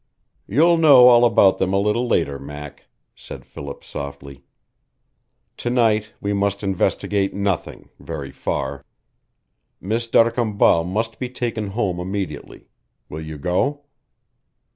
"You'll know all about them a little later, Mac," said Philip softly. "To night we must investigate nothing very far. Miss d'Arcambal must be taken home immediately. Will you go?"